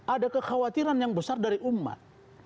ada kekhawatiran yang besar dari umat